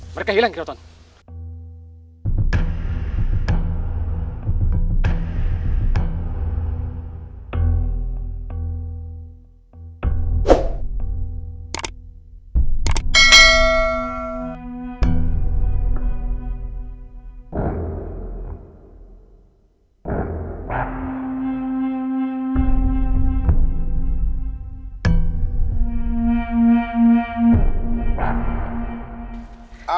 mereka hilang kira kira